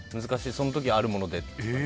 その時あるものでって。